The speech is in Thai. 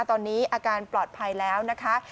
ตอนนี้อาการปลอดภัยแล้วนะคะ